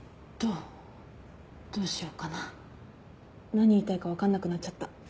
何言いたいか分かんなくなっちゃった。